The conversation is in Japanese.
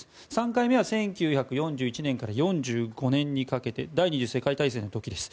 ３回目は１９４１年から４５年にかけて第２次世界大戦の時です。